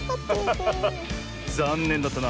ざんねんだったな。